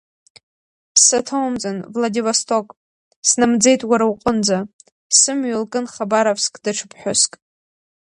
Саҭоумҵан, Владивосток, снамӡеит уара уҟынӡа, сымҩа лкын Хабаровск даҽа ԥҳәыск.